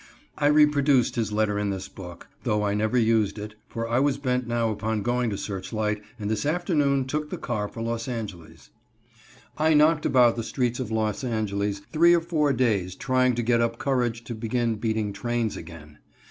I reproduce his letter in this book, though I never used it, for I was bent now upon going to Searchlight, and that afternoon took the car for Los Angeles. I knocked about the streets of Los Angeles three or four days trying to get up courage to begin beating trains again.